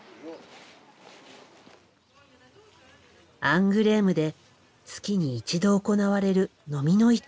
アングレームで月に一度行われるのみの市。